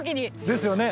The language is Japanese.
ですよね。